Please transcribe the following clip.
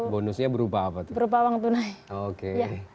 bonusnya berupa apa berupa uang tunai